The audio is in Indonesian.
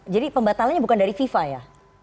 jadi pembatalannya bukan dari fifa ya